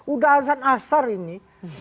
udah azan asar ini